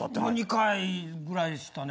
２回ぐらいでしたね。